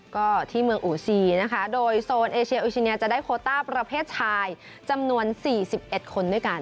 ก็ที่เมืองอูซีนะคะโดยโซนเอเชียอุชิเนียจะได้โคต้าประเภทชายจำนวน๔๑คนด้วยกัน